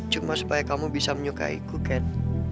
cuma supaya kamu bisa menyukaiku ken